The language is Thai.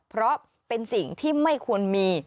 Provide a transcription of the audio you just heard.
เพราะเป็นสิ่งที่ไม่ควรมี